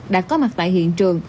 đã có mặt tại hiện trường